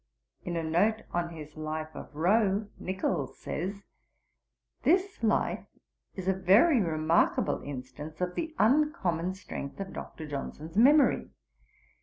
In a note on his Life of Rowe, Nichols says: 'This Life is a very remarkable instance of the uncommon strength of Dr. Johnson's memory.